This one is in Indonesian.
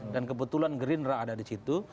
dan kebetulan gerindra ada di situ